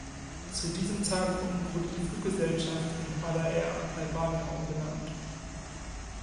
Zu diesem Zeitpunkt wurde die Fluggesellschaft in Ada Air Albania umbenannt.